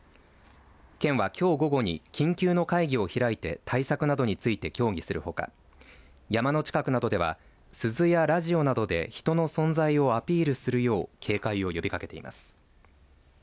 県はきょう午後に緊急の会議を開いて対策などについて協議するほか山の近くなどでは鈴やラジオなどで人の存在をアピールするよう警戒を呼びかけています。